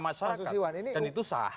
masyarakat dan itu sah